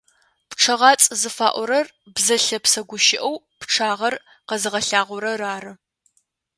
ПчъэгъацӀ зыфаӀорэр бзэ лъэпсэ гущыӏэу пчъагъэр къэзыгъэлъагъорэр ары.